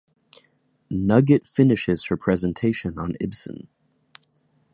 Nugget finishes her presentation on Ibsen.